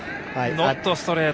ノットストレート。